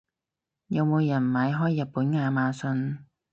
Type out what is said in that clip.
有冇人買開日本亞馬遜？